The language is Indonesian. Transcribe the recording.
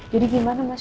jadi gimana mas